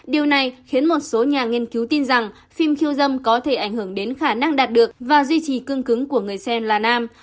điều này khiến một số nhà nghiên cứu tin rằng phim khiêu dâm có thể ảnh hưởng đến khả năng đạt được và duy trì cương cứng của người xem là nam